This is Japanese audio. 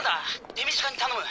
手短に頼む。